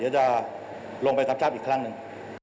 เราจะลงไปสับชาติอีกครั้งหนึ่ง